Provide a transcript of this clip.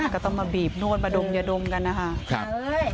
ก็ต้องมาบีบนวดมาดมยาดมกันนะคะ